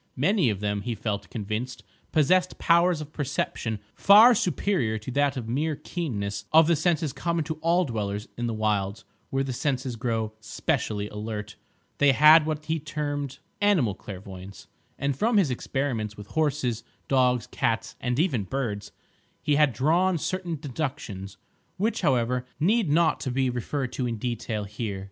Many of them, he felt convinced, possessed powers of perception far superior to that mere keenness of the senses common to all dwellers in the wilds where the senses grow specially alert; they had what he termed "animal clairvoyance," and from his experiments with horses, dogs, cats, and even birds, he had drawn certain deductions, which, however, need not be referred to in detail here.